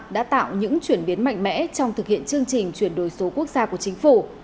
đã tạo những chuyển biến mạnh mẽ trong thực hiện chương trình chuyển đổi số quốc gia của chính phủ